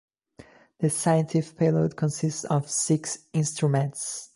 The scientific payload consists of six instruments.